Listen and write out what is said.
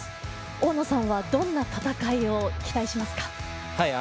大野さんはどんな戦いを期待しますか？